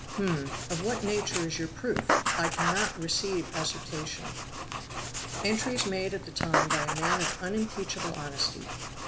"Hum! of what nature is your proof? I cannot receive assertion." "Entries made at the time by a man of unimpeachable honesty."